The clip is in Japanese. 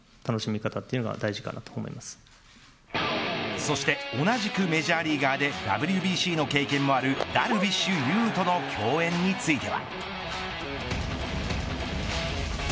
そして同じくメジャーリーガーでＷＢＣの経験もあるダルビッシュ有との共演については。